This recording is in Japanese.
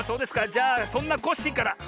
じゃあそんなコッシーから。